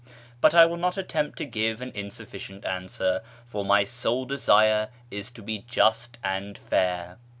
But I will not attempt to give an insufficient answer, for my sole desire is to be just and fair."